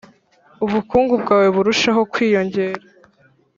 ubukungu bwawe burusheho kwiyongera